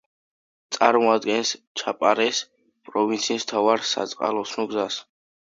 წარმოადგენს ჩაპარეს პროვინციის მთავარ საწყალოსნო გზას.